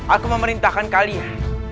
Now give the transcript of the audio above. aku memerintahkan kalian